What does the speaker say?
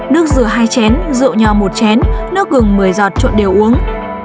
nước rửa hai chén rượu nho một chén nước gừng một mươi giọt trộn đều uống